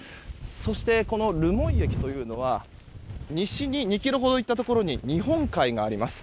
そして、この留萌駅というのは西に２ｋｍほど行ったところに日本海があります。